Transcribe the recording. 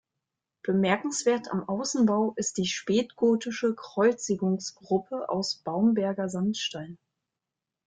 Bemerkenswert am Außenbau ist die spätgotische Kreuzigungsgruppe aus Baumberger Sandstein.